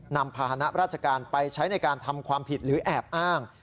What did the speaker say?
นำพาหนะราชการไปใช้ในการทำความผิดหรือแอบอ้าง